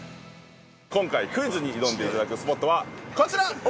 ◆今回、クイズに挑んでいただくスポットは、こちら！